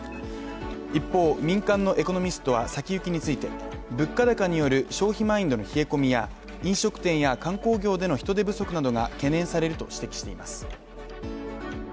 一方、民間のエコノミストは先行きについて物価高による消費マインドの冷え込みや飲食店や観光業での人手不足などが懸念されると指摘しています。